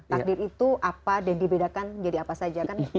takdir itu apa dan dibedakan jadi apa saja kan